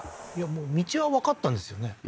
もう道はわかったんですよね